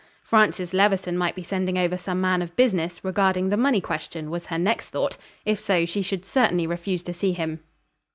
Francis Levison might be sending over some man of business, regarding the money question, was her next thought: if so, she should certainly refuse to see him.